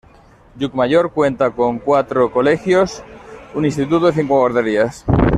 Lluchmayor cuenta con cuatro colegios, un instituto y cinco guarderías.